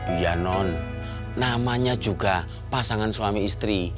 iya non namanya juga pasangan suami istri